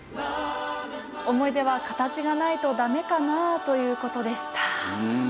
「思い出は形がないとダメかな？」という事でした。